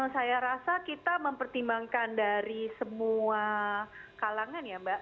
saya rasa kita mempertimbangkan dari semua kalangan ya mbak